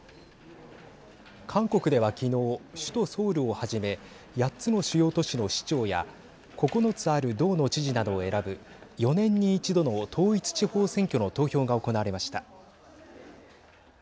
韓国ではきのう首都ソウルをはじめ８つの主要都市の市長や９つある道の知事などを選ぶ４年に一度の統一地方選挙の投票が行われました。